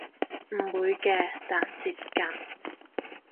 唔會嘅但接近